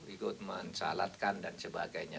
ikut mencalatkan dan sebagainya